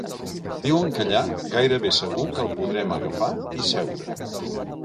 Diuen que allà gairebé segur que el podrem agafar i seure.